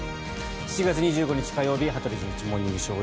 ７月２５日、火曜日「羽鳥慎一モーニングショー」。